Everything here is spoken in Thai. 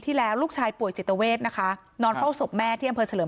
แล้วลูกชายป่วยจิตเวทนะคะนอนเฝ้าศพแม่ที่อำเภอเฉลิม